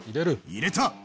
入れた！